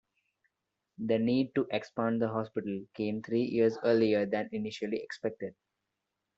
The need to expand the hospital came three years earlier than initially expected.